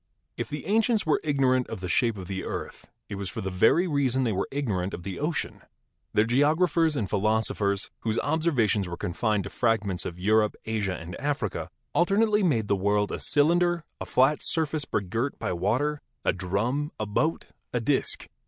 If the ancients were ignorant of the shape of the earth, it was for the very reason that they were igno rant of the ocean. Their geographers and philosophers, whose observations were confined to fragments of Europe, Asia and Africa, alternately made the world a cylinder, a flat surface begirt by water, a drum, a boat, a disk.